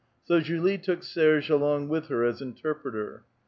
So Julie took Serge along with her as interpreter.